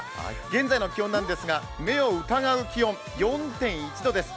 現在の気温なんですが目を疑う気温、４．１度です。